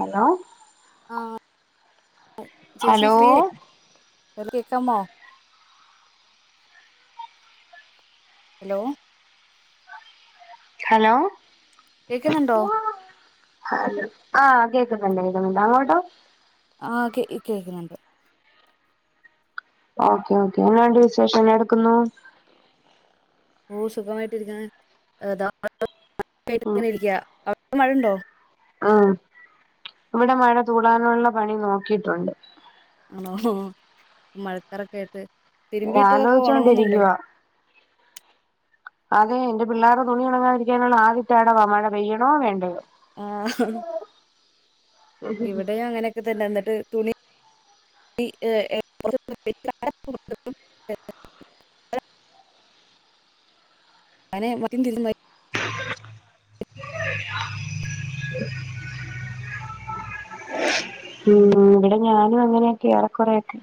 Hello ആ ചേച്ചി hello ഫ്രീയ കേക്കാമോ ഹലോ ഹലോ കേക്കുന്നുണ്ടോ ആ കേക്കുന്നുണ്ട് കെക്കുന്നുണ്ട് അങ്ങോട്ടോ ആ കേ കേക്കുന്നുണ്ട് ഓക്കെ ഓക്കെ എങ്ങനെണ്ട് വിശേഷം എന്നാ എടുക്കുന്നു ഓ സുഖമായിട്ടി ഇരിക്കുന്ന ഏത [unintelligible] ഇരിക്ക മഴുണ്ടോ ഉ ഇവിടെ മഴ തൂടാനുള്ള പണി നോക്കിയിട്ടുണ്ട് മഴക്കറൊക്കെ ആയിട്ട് തിരുമ്പിയിട്ടതൊക്കെ ഉണങ്ങുന്നുണ്ടോ ആലോചിച്ചോണ്ടിരിക്കുവ അതെ എന്റെ പിള്ളേർടെ തുണി ഉണങ്ങാതിരിക്കാനാണ് [unintelligible] മഴ പെയ്യണോ വേണ്ടയോ ആഹ് ഇവിടെയും അങ്ങനെയൊക്കെ തന്ന ഇന്നി ട്ട് തുണി [inaudible] ഉം ഇവിടെ ഞാനും അങ്ങനെയൊക്കെയ ഏറെക്കൊറെയൊക്കെ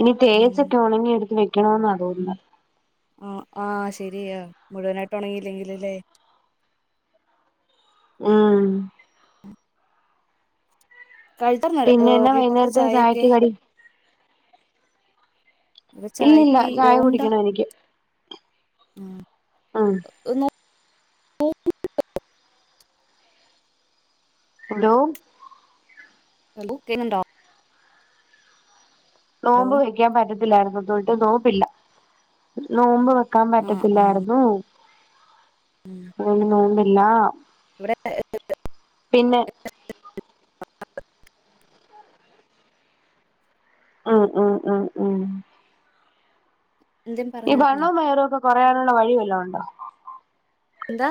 ഇനി ഉം തേച്ചിട്ട് ഉണങ്ങി എടുത്ത് വെക്കണോന്ന തോന്നുന്ന ആ ആഹ് ശരിയ മുഴുവനായിട്ട് ഉണങ്ങിയില്ലെങ്കില് ല്ലേ? ഉം പിന്നെ എന്നാ [unintelligible] വൈകുന്നേരത്തിന് ചായ ഒക്കെ ചായക്ക് കടി ഇല്ലില്ല ചായ കുടിക്കണം എനിക്ക്. ഉം ഉം ഒന്ന് [inaudible] ഹലോ ഏ ബുക്കിങ്ങ്ണ്ടോ? നോമ്പ് വെക്കാൻ [unintelligible] ത്തില്ല ഇന്ന് തൊട്ട് നോമ്പില്ല നോമ്പ് വെ ക്കാൻ ആഹ് ആഹ് പറ്റത്തില്ലായിരുന്നു. ഉം അയെന്ന നോമ്പ് ലാ ഇവിടെ [inaudible] ഉം ഉം ഉം ഉം എന്തേം ഈ പറഞ്ഞായിരുന്നോ വണ്ണോം വയറും ഒക്കെ കൊറയാന് വഴിവല്ലോം ഉണ്ടോ? എന്താ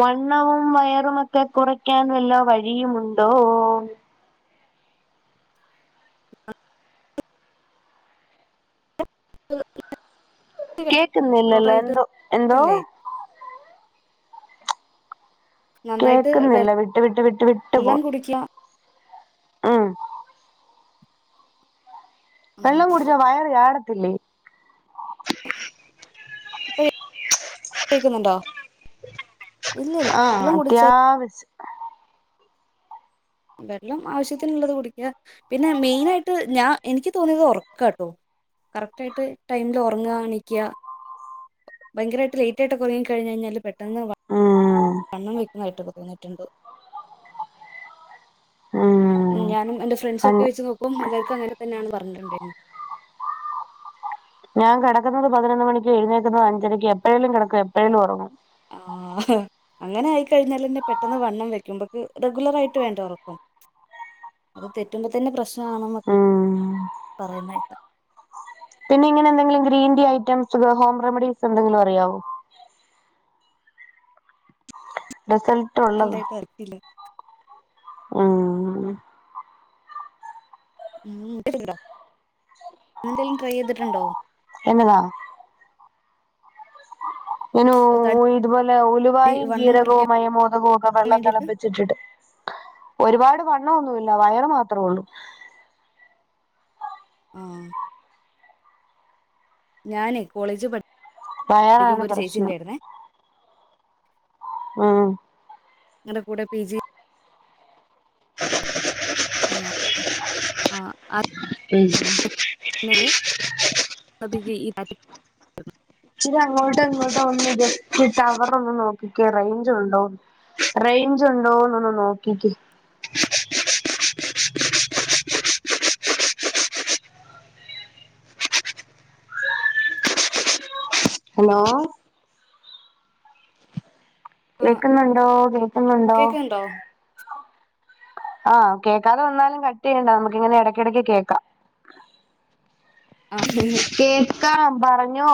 വണ്ണവും വയറുമൊക്കെ കുറയ്ക്കാൻ വല്ല വഴിയുമുണ്ടോ? [inaudible] കേക്കുന്നില്ലല്ലോ പ്രോപ്പറായിട്ട് ന്തോ എന്തോ ഇല്ലേ നന്നായിട്ട് കേക്കുന്നില്ല വിട്ട് വിട്ട് വിട്ട് വിട്ട് വെള്ളം പോയ് കുടിക്കുക ഉം ആണോ വെള്ളം കുടിച്ച വയറ് ചാട ത്തില്ലേ ഇപ്പൊ കേക്കുന്നുണ്ടോ? ഇല്ല ഇല്ല ആഹ് വെള്ളം കുടിച്ച അത്യാവശ്യം വെള്ളം ആവശ്യത്തിനുള്ളത് കുടിക്കുക പിന്നെ മെയിൻ ആയിട്ട് ഞാൻ എനിക്ക് തോന്നിയത് ഉറക്ക കേട്ടോ കറക്റ്റ് ആയിട്ട് ടൈമില് ഉറങ്ങ എനീകുക ഭയങ്കരമായിട്ട് ലേറ്റ് ആയിട്ട് ഉറങ്ങി കഴിഞ്ഞ കഴിഞ്ഞാല് പെട്ടെന്ന പെട്ടെന്ന് ഉം വണ്ണം വെക്കുന്നതായിട്ട് തോന്നിട്ടുണ്ട് ഉം ഞാനും എന്റെറെ ഫ്രണ്ട്സ് ഒക്കെ അ വെച്ച് നോക്കും എല്ലാവർക്കും അങ്ങനെ തന്നെയാണ് പറഞ്ഞിട്ടുണ്ടന്ന ഞാൻ കിടക്കുന്നത് പതിനോന്ന് മണിക്ക് എഴുന്നേക്കുന്നത് അഞ്ചരയ്ക്ക് എപ്പഴേലും കിടക്കും എപ്പഴേലും ഉറങ്ങും ആഹ അങ്ങനെ ആയിക്കഴിഞ്ഞാൽന്നെ പെട്ടന്ന് വണ്ണം വെക്കുമ്പൊക്ക് റെഗുലർ ആയിട്ട് വേണ്ട ഉറക്കും അത് തെറ്റുമ്പോ തന്നെ പ്രശ്ന ആണൊക്കെ ഉം പറയുന്ന പിന്നെ ഇങ്ങനെ എന്തെങ്കിലും green tea items home remedies എന്തെങ്കിലും അറിയാവോ റിസൾട്ട് ഉള്ളത് എന്തായിട്ട് അറിയത്തില്ല ഉഹ [inaudible] അങ്ങനെ എന്തേലും ട്രൈ ചെയ്തിട്ടുണ്ടോ എന്നതാ ഞാൻ തടി ഇ ഇതുപോലെ ഉലുവായും വണ്ണം കുറയ്ക്കാൻ ജീരകവും മയമോതകവും ഒക്കെ വെള്ളം വേണ്ടിട്ട് തിളപ്പിച്ചിട്ടിട്ട് ഒരുപാട് വണ്ണം ഒന്നുമില്ല വയർ മാത്രമേ ഉള്ളൂ ആ ഞാനേ കോളേജ് പഠ വയറാണ് പ്രശ്നം ആഹ് ഞങ്ങളുടെ കൂടെ പി ജി [inaudible] ആണോ ആഹ് ആ ഹ്മ്മ് എന്നല അത് [inaudible] അങ്ങോട്ടും ഇങ്ങോട്ട ഒന്ന് ഇത ടവർ ഒന്ന് നോക്കിക്കേ റേഞ്ച് ഉണ്ടോ റേഞ്ച് ഉണ്ടോന്ന് ഒന്ന് നോക്കിക്കേ ഹലോ കേക്കുന്നുണ്ടോ കേൾക്കുന്നുണ്ടോ കേക്ക്ണ്ടോ ആഹ കേൾക്കാതെ വന്നാലും കട്ട് ചെയ്യണ്ട നമുക്ക് ഇങ്ങനെ ഇടക്കിടക്ക് കേക്കാം ആ [inaudible] കേൾക്കാം പറഞ്ഞോ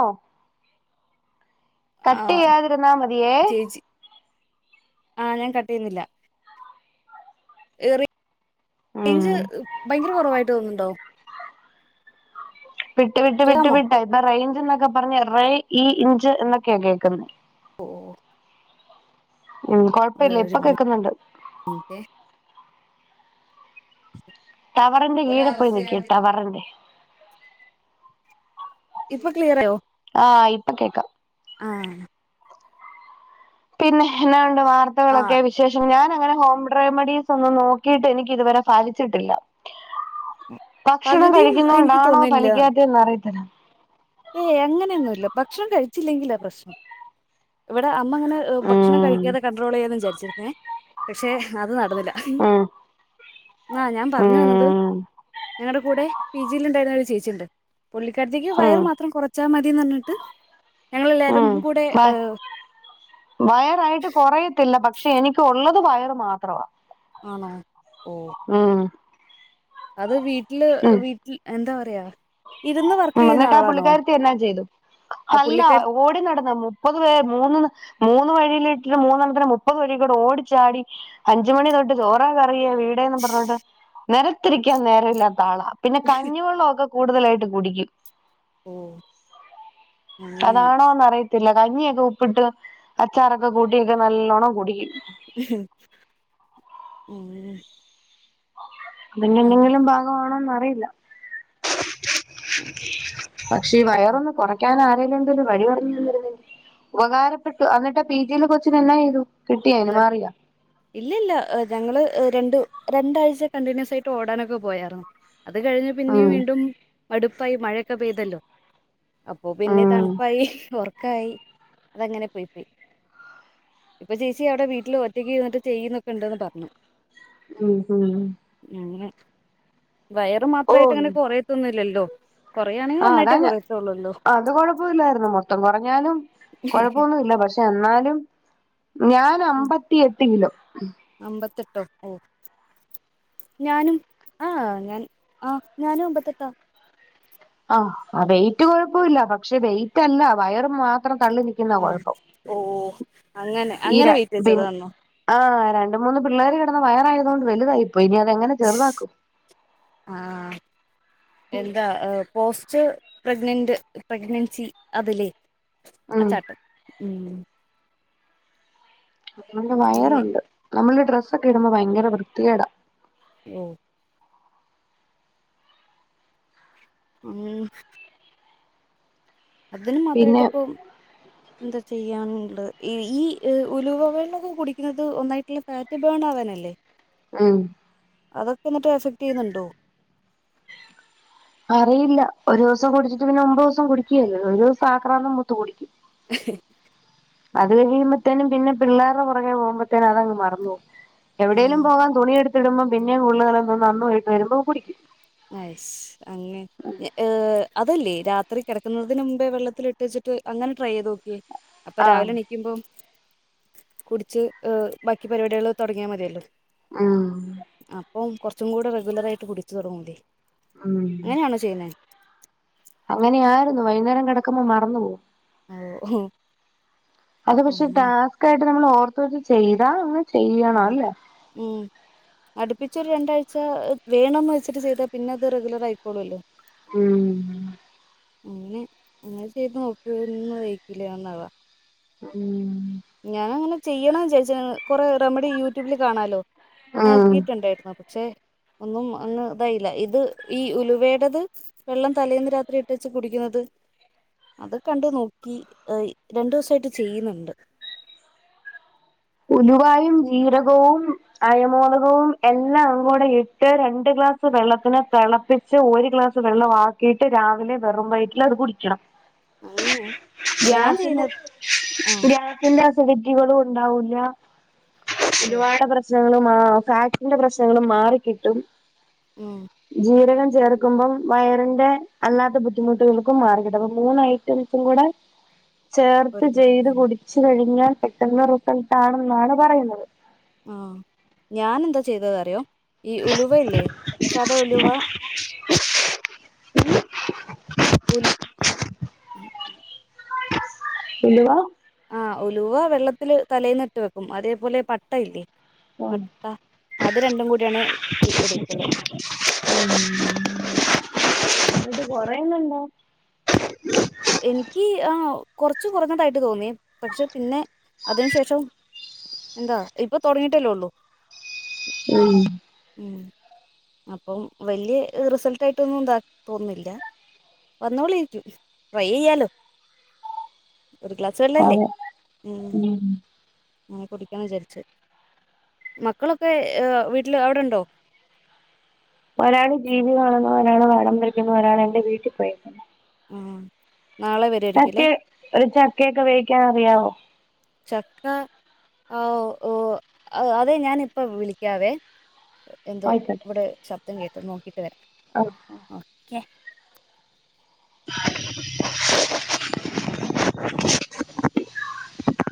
കട്ട് ആഹ് ചെയ്യാതെ ഇരുന്ന മതിയേ ആഹ ഞാൻ കട്ട് ചെയുന്നില്ല ഏറി ഉം റേഞ്ച് ഭയങ്കര കുറവായിട്ട് തോന്നുന്നുണ്ടോ വിട്ട് വിട്ട് വിട്ട് കേക്കാമോ വിട്ട് ഇപ്പൊ റയിൻ ൊക്കെ പറഞ്ഞ് േ ഇഞ്ച് എന്നൊക്കെയ കേൾക്കുന്നത് ഓ ഉം കൊഴപ്പഇില്ല ഇപ്പൊ കേക്കുന്നുണ്ട് മിനിറ്റെ തവറിൻ്റെ കീയേപോയി നിക്ക് ഒരവസ്ഥയാണ് ടവറിൻ്റെ ഇപ്പം ക്ലിയർ ആയോ ആ ഇപ്പം കേക്കാം ആ പിന്നെ [unintelligible] ആഹ് വാർത്തകളൊക്കെ വിശേഷ ഞാൻ അങ്ങനെ ഹോം റെമെഡീസ് ഒന്നും നോക്കിയിട്ട് എനിക്ക് ഇതുവരെ ഫലിച്ചിട്ടില്ല ഭക്ഷണം പകുതിയും എനിക്ക് കഴിക്കൊന്നേണ്ടാണേ ഫലിക്കാത്തന്നെ അറിയത്തില്ല യെ അങ്ങനെയൊന്നുയില്ല ഭക്ഷണം കഴിച്ചില്ലെങ്കിലാ പ്രശ്നം ഇവടെ അ അമ്മങ്ങനെ ഭക്ഷണം ഉം കഴിക്കാതെ കണ്ട്രോള് ചെയ്യാന്നാ വിചരിച്ചിരിക്കുന്നേ പശെ അത് നട [unintelligible] ഉം മ ആ ഞാൻ പറഞ്ഞ് വന്നത് ഉം ഞങ്ങടെ കൂടെ പി ജി യിൽ ണ്ടായിരുന്നാ ഒര് ചേച്ചിയുണ്ട് പുള്ളിക്കാരിത്തിക്ക് വയറ് ഉം മാത്ര കൊറച്ചാ മതിന്ന് പറഞ്ഞിട്ട് ഞങ്ങളെല്ലാരും ഉം കൂടെ വ വയറായിട്ട് കൊറയത്തില്ലാ പക്ഷേ എനിക്ക് ഒള്ളത് വയറ് മാത്രവാ ആണോ ഓ ഉം അത് വീ വീട്ടില് വീട്ടി എന്താ പറയാ ഇരുന്ന് വർക്ക് ആ ചെയ്യുന്ന എന്നിട്ട് ആ ആളാണോ പുള്ളിക്കാരിത്തി എന്നാ ചെയ്തു ആ അല്ലാ പുള്ളിക്കാരി ഓടി നടന്ന് മുപ്പത് പേര് മൂന്ന് മൂന്ന് വഴിയിലിട്ടിട്ട് മൂന്നെണ്ണത്തിന് മുപ്പത് വഴി കൂടെ ഓടിച്ചാടി അഞ്ച്മണി തൊട്ട് ചോറ കറിയും വീടെന്ന് പറഞ്ഞോട്ട് നെലത്തിരിക്കാൻ നേരല്ലാത്താ ത്താള പിന്നെ കഞ്ഞിവെള്ളക്കെ കൂടുതലായിട്ട് കുടിക്കും ഓ അങ്ങനെ അതാണോ എന്നറി ത്തില്ല കഞ്ഞിയൊക്കെ ഉപ്പിട്ട് അച്ചാറൊക്കെ കൂട്ടിയൊക്കെ നല്ലോണ്ണം കുടിക്കും ഉം അതിൻ്റെ എന്തെങ്കിലും ഭാഗമാണോ അ അറിയില്ല. പശെ ഈ വയറൊന്ന് കുറയ്ക്കാന എന്തേലും എന്ത് വഴി പറഞ്ഞ് തന്നിരുന്നെങ്കി ഉപകാരപ്പെട്ടു എന്നിട്ടാ പി ജി യിലെ കൊച്ചിന് എന്നാ ചെയ്തു? കിട്ടിയോ അതിന് മാറിയോ ഇല്ലില്ലാ ഞങ്ങള് ഇ് രണ്ട് രണ്ടാഴ്ച കണ്ടിന്യൂസ് ആയിട്ട് ഓടാനൊക്കെ പോയരുന്നു. അത് കഴിഞ്ഞ് പിന്നെയും ഉം വീണ്ടും അടുപ്പായി മഴ പെയ്തല്ലോ. അപ്പൊ പിന്നെ ഉം തണുപ്പായി ഓർ ക്കായി അതങ്ങനെ പോയി പോയി ഇപ്പോ ചെയ് ചേച്ചി അവിടെ വീട്ടിൽ ഒറ്റയ്ക്കിര്ന്നിട്ട് ചെയ്യുന്നൊക്കെ ഉണ്ടന്ന് പറഞ്ഞു- ഉം ഉം- അങ്ങനെ വയറ് മാത്രമായിട്ട് ഓയി അങ്ങനെ കൊറയത്തൊന്നുമില്ലല്ലോ കൊറയാണെങ്കിൽ ആഹ് ഒന്നായിട്ടേ അതാണ് കൊറയത്തുള്ളൂല്ലോ അത് കൊഴപ്പില്ലായിരുന്നു മൊത്തം കൊറഞ്ഞാലും കൊഴപ്പൊന്നുമില്ല പക്ഷെ എന്നാലും- ഞാന് അമ്പത്തിയെട്ട് കിലോ - അമ്പത്തെട്ടോ ഓ ഞാനും ആഹ് ഞാൻ ആ ഞാനും അമ്പത്തെട്ടാ- ആഹ് വെയിറ്റ് കൊഴപ്പമില്ല പക്ഷെ വെയിറ്റ് അല്ല വയറ് മാ ത്രംതള്ളി നിക്കുന്ന ആ കൊഴപ്പം ഓ അങ്ങനെ ഈ അങ്ങനെ വെയിറ്റ് രണ്ട വെച്ചതാന്നോ രണ്ട് മൂന്ന് പിള്ളേര് കെടന്ന വയറായതുകണ്ട് വലുതായി- അപ്പൊ ഇനി അതെങ്ങനെ ചെറുതാക്കും- ആ എന്താ പോസ്റ്റ്- പ്രഗ്നന്റ് പ്രഗ്നൻസി അതിലേ- ആ ഉം ചാട്ടം ഉം- അതൊണ്ട് വയറൊണ്ട്- നമ്മളീ ഡ്രസ്സൊക്കെ ഇടുമ്പം ഭയങ്കര വൃത്തികേടാ- ഓ- ഉം- അതിന് മാത്രയിട്ട് പിന്നെ ഇപ്പൊ എന്താ ചെയ്യാ [unintelligible] ഈ ഉലുവവെള്ളോക്കെ കുടിക്കുന്നത് ഒന്നായിട്ടുള്ള ഫാറ്റ് ബേൺ ആവാനല്ലേ ഉം അതൊക്കെ എന്നിട്ട് എഫക്ട് ചെയ്യുന്നുണ്ടോ അറിയില്ല ഒരുസം കുടിച്ചിട്ട് പിന്നെ ഒമ്പത് ദിസം കുടിക്കല്ല ഒരു ദിവസം ആക്രന്തം മൂത്ത് കുടിക്കും [unintelligible] അത് കഴിയുമ്പത്തേനും പിന്നെ പിള്ളേർ ടെ പുറകെ പോകുമ്പത്തേനും അതങ്ങ് മറന്ന് പോം എവിടെേലും ആഹ് പോവാ തുണി എടുത്തിടുമ്പോ പിന്നെ [unintelligible] ന്തോ നന്നവൈയിട്ട് വരുമ്പോ കുടിക്കും അയിസ് അങ്ങനെ ഏഹ് അതല്ലേ അത്ര കിടക്കുന്നതിന് മുമ്പേ വെള്ളത്തില ഇട്ട് വേച്ചിട്ട് അങ്ങന ട്രൈയയ്ത് നോക്കി അപ്പ ആഹ് രാവിലെണീക്കുമ്പോ കുടിച്ച് ബാക്കി പരിപാട്യള് തോടങ്ങിയാ മതിയല്ലോ ആഹ് അപ്പം കുറച്ചുകൂടെ റെഗുലറായിട്ട് കുടിച്ച തുടങ്ങുലേ ഉം അങ്ങനെ ആര് വൈകുന്നേരം കിടക്കമ്പമറന്ന് പോകും ആഹ് ഒ അത് പക്ഷെ ടാസ്ക ട്ട് നമ്മൾ ഓർത്ച്ച്ചെയ്താ [unintelligible] ചെയ്യണം അല്ലേ അടുപ്പിച്ചരു രണ്ടാഴചവേണന്ന് വെച്ചിട്ട് ചെയ്താ പിന്നെ അത് റെഗുലർ ആയിക്കോളൂല്ലോ ഉം അങ്ങനെ [unintelligible] ഒന്നാവാ ഉം ഞാ അങ്ങനെ ചെയ്യണംന്ന് ചാരിച്ച കൊറെ റെമഡി യൂട്യൂബിൽ കാണാലോ ഉം നോക്കിട്ണ്ടായിന്നു പക്ഷേ ഒന്നും അങ്ങ് ഇതായില്ല ഇത് ഈ ഉലുവേടത് വെള്ളം തലേന്ന് രാത്രി ഇട്ടെച്ച് കുടിക്കുന്നത് അത് കണ്ടു നോക്കി രണ്ടു ദിസയിട്ട് ചെയ്യുന്നുണ്ട് ഉലുവായും ജീരകവും അയമോദകവും എല്ലാം അ തുകൂടെ ഇട്ട് രണ്ട് ഗ്ലാസ് വെള്ളത്തിനെ തെളപ്പിച്ച് ഒരു ഗ്ലാസ് വെള്ള ആക്കിട്ട് രാവിലെ വെറും വയറ്റിൽ അത് കുടിക്കണം അങ്ങനെ ഞാൻ ഗ്യാസിന്റെ ചെയ്യുന്നത് ആ ഗ്യാസിന്റെ സിലിറ്റികളും ഉണ്ടാവൂല്ല ഓ ഉലുവാട പ്രശ [unintelligible] ഫാറ്റിൻ്റെ പ്രശ്നങ്ങളും മാറിക്കിട്ടും. ഉം. ജീരകം ചേർക്കുമ്പം വയറിന്റെ അല്ലാത്ത ബുദ്ധിമുട്ടുകൾക്കും മാറി കിട്ടും. അപം മൂന്നൈറ്റംസും കൂടെ ചേർത്ത് ഒരു ചെയ്ത് മിനിറ്റ് കുടിച്ച് കഴിഞ്ഞാൽ പെട്ടെന്ന് റിസൾട്ടാണെന്നാണ് പറയുന്നത്. ആഹ്. ഞാനെന്താ ചെയ്തതറിയോ ഈ ഉലുവയില്ലേ സാദാ ഉലുവ [unintelligible] ഉൽ എന്തുവാ ആഹ് ഉലുവ വെള്ളത്തില് തലേന്നിട്ട് വെക്കും അതേപോലെ പട്ട ഇല്ലേ [unintelligible] കൂടിയാണ് ഇ- എടുക്കല് എന്നിട്ട് കൊറയുന്നുണ്ടോ കുറച്ചു കുറഞ്ഞതായിട്ട് തോന്നി പക്ഷെ പിന്നെ അതിന് ശേഷം എന്താ ഇപ്പൊ തുടങ്ങിട്ടല്ലോള്ളു ഉം ഉം അപ്പം വലിയ റിസൾട്ടായിട്ടൊന്നും തോന്നുന്നില്ല വന്നോലെ ഇരിക്കും ട്രൈ ചെയ്യാലോ ഒരു ക്ലാസ്സ് വെള്ളല്ലേ അതെ ഉം [unintelligible] മക്കളൊക്കെ വീ ഇല്ല അവിടെണ്ടോ ഒരാള് ടി വി കാണുന്നു ഒരാള് പടം വരക്കുന്നു ഒരാള് എൻറെ വീട്ടിൽ പോയി ആ നിക്ക് ഒരു ചക്കയൊക്കെ വേവിക്കാൻ അറിയാവോ ചക്ക ആ ഓ അത് അതെ ഞാനിപ്പ വിളിക്കാവേ എന്തോ ഇവിടെ ശബ് ദം കേക്കുന്നു നോക്കീട്ട് വര ആ [inaudible]